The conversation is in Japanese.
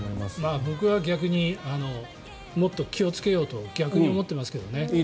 僕は逆にもっと気をつけようと逆に思ってますけどね。